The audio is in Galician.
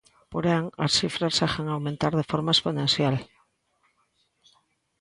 Porén, as cifras seguen a aumentar de forma exponencial.